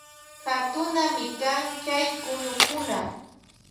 Katunami kan chay kunukuna.